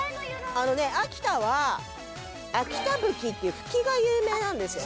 あのね秋田は秋田蕗っていう蕗が有名なんですよね。